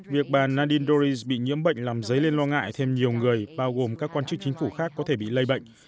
việc bà nadin doris bị nhiễm bệnh làm dấy lên lo ngại thêm nhiều người bao gồm các quan chức chính phủ khác có thể bị lây bệnh